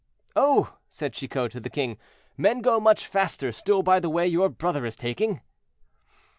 "Oh!" said Chicot to the king, "men go much faster still by the way your brother is taking."